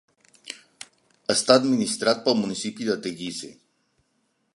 Està administrat pel municipi de Teguise.